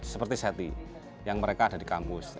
seperti seti yang mereka ada di kampus